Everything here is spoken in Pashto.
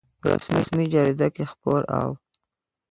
په رسمي جریده کې خپور او